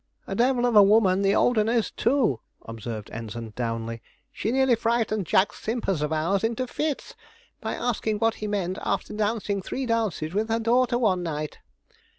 'A devil of a woman the old un is, too,' observed Ensign Downley; 'she nearly frightened Jack Simpers of ours into fits, by asking what he meant after dancing three dances with her daughter one night.'